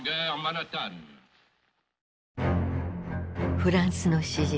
フランスの詩人